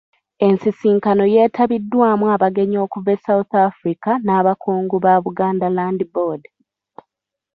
Ensisinkano yeetabiddwamu abagenyi okuva e South Africa n'Abakungu ba Buganda Land Board.